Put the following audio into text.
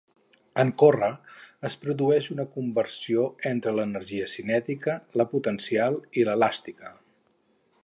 En córrer, es produeix una conversió entre l'energia cinètica, la potencial i l'elàstica.